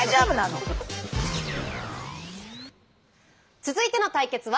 続いての対決は。